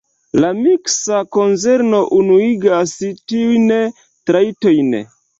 La miksa konzerno unuigas tiujn trajtojn.